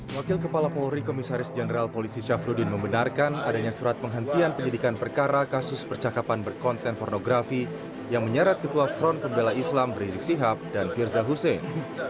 wakil kepala polri komisaris jenderal polisi syafruddin membenarkan adanya surat penghentian penyidikan perkara kasus percakapan berkonten pornografi yang menyeret ketua front pembela islam rizik sihab dan firza husein